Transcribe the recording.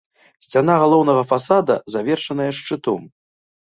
Сцяна галоўнага фасада завершаная шчытом.